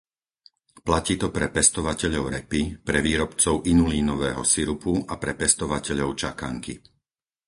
Platí to pre pestovateľov repy, pre výrobcov inulínového sirupu a pre pestovateľov čakanky.